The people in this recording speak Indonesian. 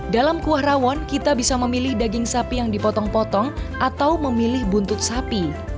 dalam kuah rawon kita bisa memilih daging sapi yang dipotong potong atau memilih buntut sapi